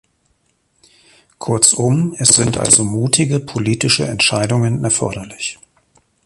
Kurzum, es sind also mutige politische Entscheidungen erforderlich.